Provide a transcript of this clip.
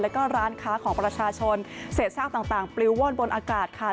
แล้วก็ร้านค้าของประชาชนเศษซากต่างปลิวว่อนบนอากาศค่ะ